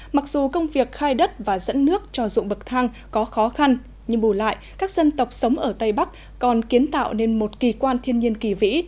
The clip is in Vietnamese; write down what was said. mặc dù công việc khai đất và dẫn nước cho ruộng bậc thang có khó khăn nhưng bù lại các dân tộc sống ở tây bắc còn kiến tạo nên một kỳ quan thiên nhiên kỳ vĩ